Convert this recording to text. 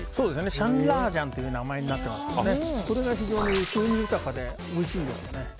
シャンラージャンという名前になっていますが非常に風味豊かでおいしいんです。